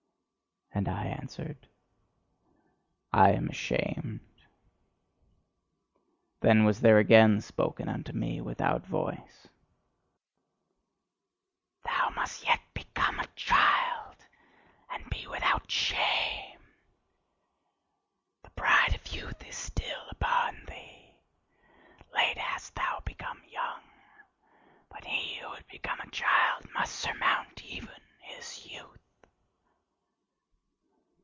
And I answered: "I am ashamed." Then was there again spoken unto me without voice: "Thou must yet become a child, and be without shame. The pride of youth is still upon thee; late hast thou become young: but he who would become a child must surmount even his youth."